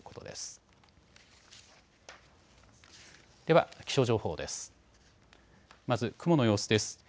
では、気象情報です。